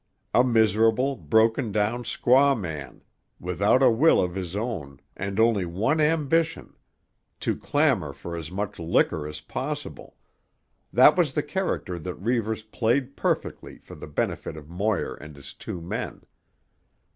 A miserable, broken down squaw man, without a will of his own, and only one ambition—to clamour for as much liquor as possible—that was the character that Reivers played perfectly for the benefit of Moir and his two men.